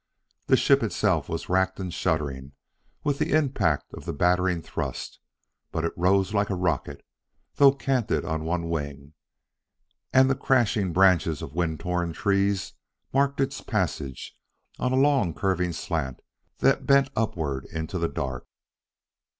The ship itself was racked and shuddering with the impact of the battering thrust, but it rose like a rocket, though canted on one wing, and the crashing branches of wind torn trees marked its passage on a long, curving slant that bent upward into the dark.